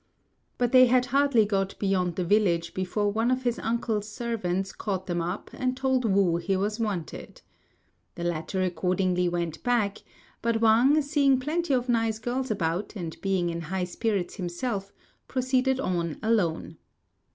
But they had hardly got beyond the village before one of his uncle's servants caught them up and told Wu he was wanted. The latter accordingly went back; but Wang, seeing plenty of nice girls about and being in high spirits himself, proceeded on alone.